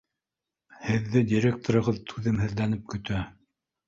Һеҙҙе директорығыҙ түҙемһеҙләнеп көтә.